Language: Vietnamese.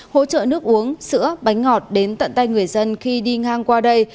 hỗ trợ nước uống sữa bánh ngọt đến tận tay người dân khi đi ngang qua đây